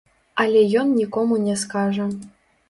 Але ён нікому не скажа.